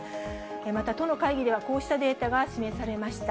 また都の会議ではこうしたデータが示されました。